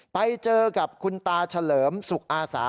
ไปเจอกับคุณตาเฉลิมสุขอาสา